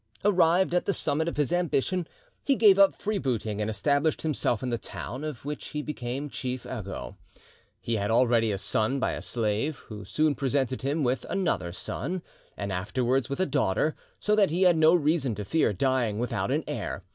Arrived at the summit of his ambition, he gave up free booting, and established himself in the town, of which he became chief ago. He had already a son by a slave, who soon presented him with another son, and afterwards with a daughter, so that he had no reason to fear dying without an heir.